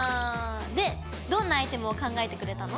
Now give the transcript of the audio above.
でどんなアイテムを考えてくれたの？